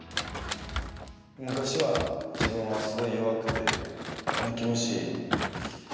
昔は自分はすごい弱くて、泣き虫。